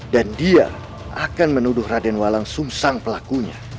dan dia akan menuduh radenwa langsung sang pelakunya